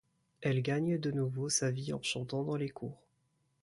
Elle gagne de nouveau sa vie en chantant dans les cours.